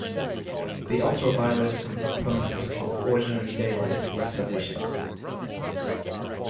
The ultraviolet component of ordinary daylight is sufficient.